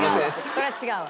それ違うわ。